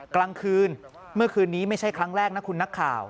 กลางคืนเมื่อคืนนี้ไม่ใช่ครั้งแรกนะคุณนักข่าว